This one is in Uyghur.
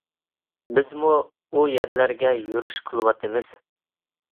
بىزمۇ ئۇ يەرلەرگە يۈرۈش قىلىۋاتىمىز.